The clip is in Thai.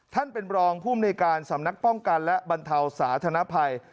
ท่านเป็นรองภูมิในการสำนักป้องกันและบรรเทาสาธนภัย